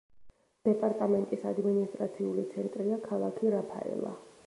დეპარტამენტის ადმინისტრაციული ცენტრია ქალაქი რაფაელა.